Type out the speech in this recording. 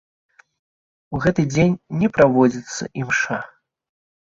У гэты дзень не праводзіцца імша.